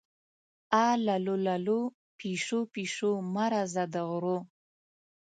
اللو للو، پیشو-پیشو مه راځه د غرو